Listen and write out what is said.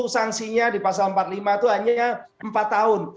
sanksinya di pasal empat puluh lima itu hanya empat tahun